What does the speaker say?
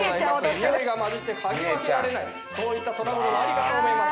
においが混じって嗅ぎ分けられないそういったトラブルもあるかと思います。